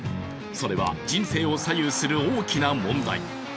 それは人生を左右する大きな問題。